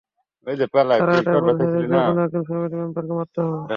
তারা এটাই বলেছে যে, যেকোন একজন ফ্যামিলি মেম্বারকে মারতে হবে।